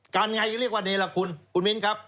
การไงที่เรียกว่าเนลคุณคุณมินครับ